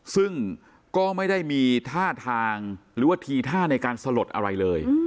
ซึ่งก็ไม่ได้มีท่าทางหรือว่าทีท่าในการสลดอะไรเลย